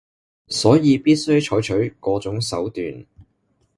所以必須採取嗰種手段